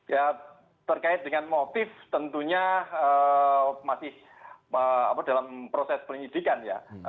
ya terkait dengan motif tentunya masih dalam proses penyidikan ya